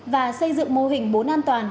và xây dựng mô hình bốn an toàn